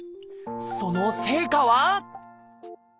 その成果は？